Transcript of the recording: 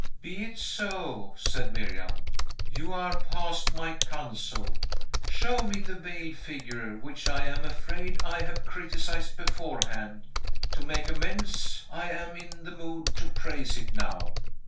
"Be it so!" said Miriam; "you are past my counsel. Show me the veiled figure, which, I am afraid, I have criticised beforehand. To make amends, I am in the mood to praise it now."